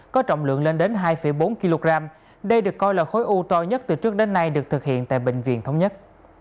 có trọng lượng lên đến hai bốn kg đây được coi là khối u to nhất từ trước đến nay được thực hiện tại bệnh viện thống nhất